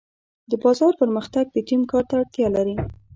د بازار پرمختګ د ټیم کار ته اړتیا لري.